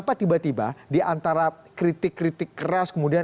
pan sudah bisa deklarasi